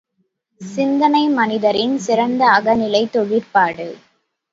சிந்தனை மனிதரின் சிறந்த அகநிலைத் தொழிற்பாடு!